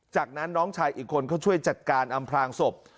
จากนั้นน้องชายอีกคนเขาช่วยจัดการอำพลางศพ